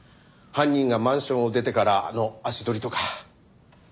犯人がマンションを出てからの足取りとか。